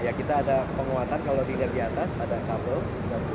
ya kita ada penguatan kalau dilihat di atas ada kabel